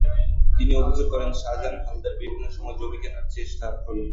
তিনি অভিযোগ করেন, শাহজাহান হাওলাদার বিভিন্ন সময় জমিটি কেনার জন্য চেষ্টা করেন।